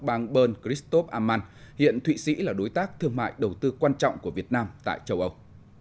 bang bern christop amman hiện thụy sĩ là đối tác thương mại đầu tư quan trọng của việt nam tại châu âu